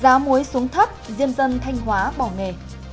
giá muối xuống thấp diêm dân thanh hóa bỏ nghề